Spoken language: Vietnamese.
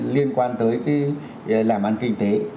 liên quan tới làm ăn kinh tế